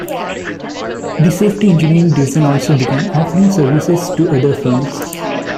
The Safety Engineering Division also began offering services to other firms.